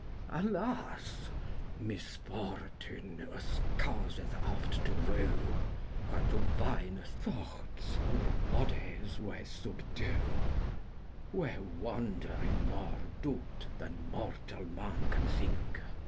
Alas mysfortune us causeth oft to rue Whan to vayne thoughtis our bodyes we subdue. We wander in more dout than mortall man can thynke.